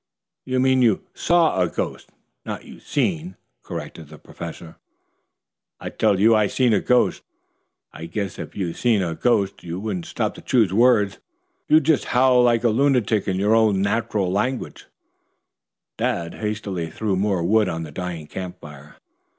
"You mean you 'saw' a ghost, not you 'seen'," corrected the Professor. "I tell you I seen a ghost. I guess if you'd seen a ghost you wouldn't stop to choose words. You'd just howl like a lunatic in your own natural language " Dad hastily threw more wood on the dying camp fire.